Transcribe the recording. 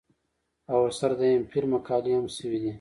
او ورسره د ايم فل مقالې هم شوې دي